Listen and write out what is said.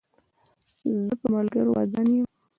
زه په ملګرو ودان یم.